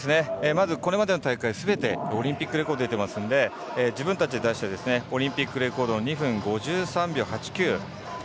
まず、これまでの大会すべてオリンピックレコード出ていますので自分たちで出したオリンピックレコード２分５３秒８９。